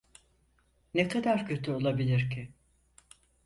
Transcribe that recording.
Ne kadar kötü olabilir ki?